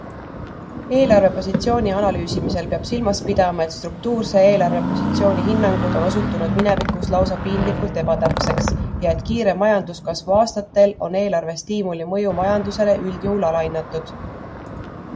Eelarvepositsiooni analüüsimisel peab silmas pidama, et struktuurse eelarvepositsiooni hinnangud on osutunud minevikus lausa piinlikult ebatäpseks ja et kiire majanduskasvu aastatel on eelarvestiimuli mõju majandusele üldjuhul alahinnatud.